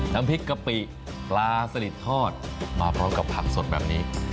น้ำพริกกะปิปลาสลิดทอดมาพร้อมกับผักสดแบบนี้